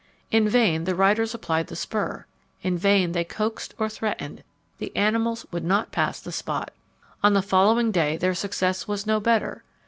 In vain the riders applied the spur in vain they coaxed or threatened, the animals would not pass the spot. On the following day their success was no better.